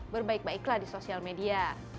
berbaik baiklah di sosial media